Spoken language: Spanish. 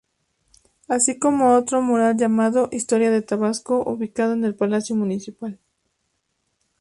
Así como otro mural llamado "Historia de Tabasco" ubicado en el Palacio Municipal.